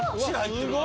すごい。